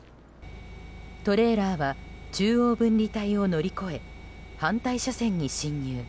トレーラーは中央分離帯を乗り越え反対車線に進入。